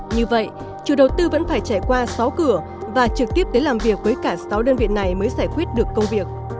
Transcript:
như vậy chủ đầu tư vẫn phải trải qua sáu cửa và trực tiếp tới làm việc với cả sáu đơn vị này mới giải quyết được công việc